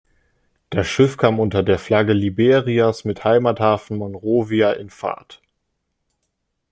Das Schiff kam unter der Flagge Liberias mit Heimathafen Monrovia in Fahrt.